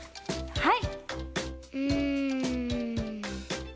はい。